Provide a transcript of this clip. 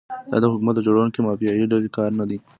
دا د حکومت د جوړونکي مافیایي ډلې کار نه دی.